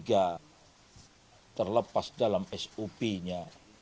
tidak terlepas dalam sop nya